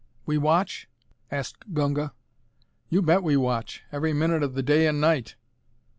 "We watch?" asked Gunga. "You bet we watch. Every minute of the 'day' and 'night.'"